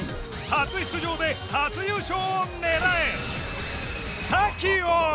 初出場で初優勝を狙え！